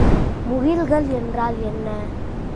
முகில்கள் என்றால் என்ன?